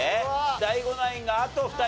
ＤＡＩＧＯナインがあと２人。